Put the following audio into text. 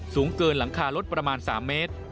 สูงเกินหลังคารถประมาณ๓เมตร